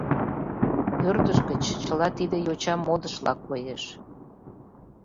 Ӧрдыж гыч чыла тиде йоча модышла коеш.